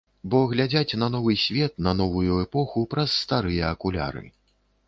Бо глядзяць на новы свет, на новую эпоху праз старыя акуляры.